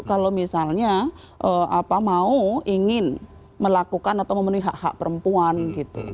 kalau misalnya mau ingin melakukan atau memenuhi hak hak perempuan gitu